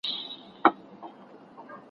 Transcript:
غمونه به هېر شي.